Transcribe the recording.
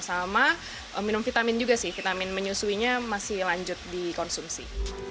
sama minum vitamin juga sih vitamin menyusuinya masih lanjut dikonsumsi